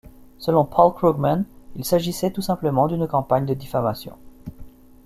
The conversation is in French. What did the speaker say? Selon Paul Krugman, il s'agissait tout simplement d'une campagne de diffamation.